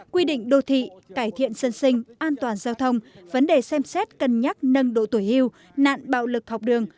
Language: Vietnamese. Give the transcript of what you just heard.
quy định đô thị cải thiện dân sinh an toàn giao thông vấn đề xem xét cân nhắc nâng độ tuổi hưu nạn bạo lực học đường